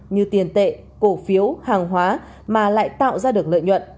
như tiền tệ cổ phiếu hàng hóa mà lại tạo ra được lợi nhuận